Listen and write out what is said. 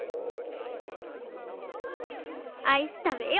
アイス食べよ！